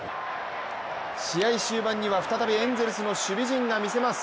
試合終盤には再びエンゼルスの守備陣が見せます。